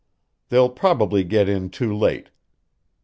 They'll probably get in too late.